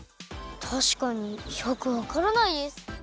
たしかによくわからないです。